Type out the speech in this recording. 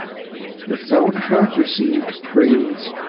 The soundtrack received praise.